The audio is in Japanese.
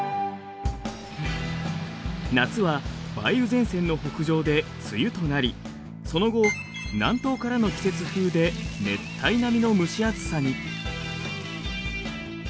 夏は梅雨前線の北上で梅雨となりその後南東からの季節風で熱帯並みの蒸し暑さに。